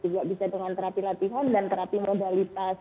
juga bisa dengan terapi latihan dan terapi modalitas